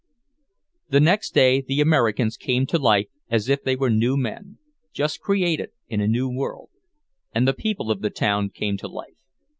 The next day the Americans came to life as if they were new men, just created in a new world. And the people of the town came to life...